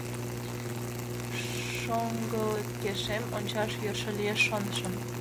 Шоҥгылыкешем ончаш йӧршӧ лиеш, шонышым...